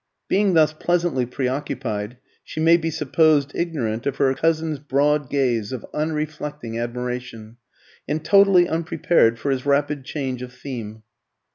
Being thus pleasantly preoccupied, she may be supposed ignorant of her cousin's broad gaze of unreflecting admiration, and totally unprepared for his rapid change of theme.